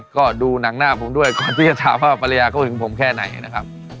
ก็ดูหนังหน้าผมด้วยก่อนที่จะถามว่าภรรยาเขาหึงผมแค่ไหนนะครับ